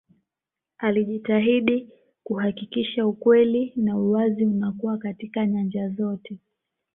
alijitahidi kuhakikisha ukweli na uwazi unakuwa katika nyanja zote